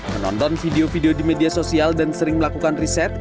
menonton video video di media sosial dan sering melakukan riset